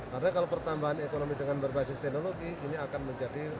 karena kalau pertambahan ekonomi dengan berbasis teknologi ini akan menjadi